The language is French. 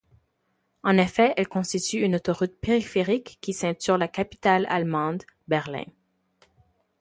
En effet, elle constitue une autoroute périphérique qui ceinture la capitale allemande, Berlin.